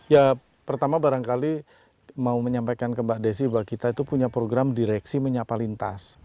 ya pertama barangkali mau menyampaikan ke mbak desi bahwa kita itu punya program direksi menyapa lintas